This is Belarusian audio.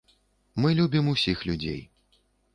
Мы любім усіх людзей.